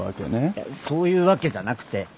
いやそういうわけじゃなくて。